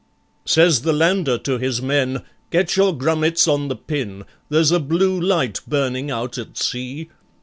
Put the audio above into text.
Says the Lander to his men, Get your grummets on the pin, There's a blue light burning out at sea.